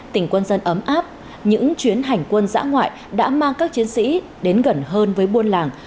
tỉnh quân dân ấm áp những chuyến hành quân giã ngoại đã mang các chiến sĩ đến gần hơn với buôn làng